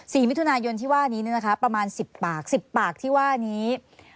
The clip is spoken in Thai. มิถุนายนที่ว่านี้เนี่ยนะคะประมาณสิบปากสิบปากที่ว่านี้